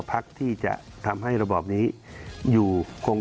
พักที่จะทำให้ระบอบนี้อยู่คง